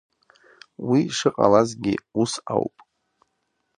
Уи шыҟалазгьы ус ауп…